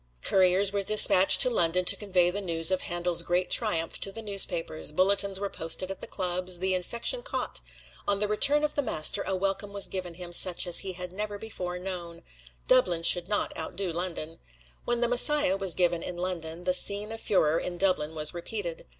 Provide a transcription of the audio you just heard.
Couriers were dispatched to London to convey the news of Handel's great triumph to the newspapers; bulletins were posted at the clubs the infection caught! On the return of the master a welcome was given him such as he had never before known Dublin should not outdo London! When the "Messiah" was given in London, the scene of furore in Dublin was repeated.